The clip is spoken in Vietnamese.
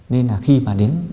nên là khi mà đến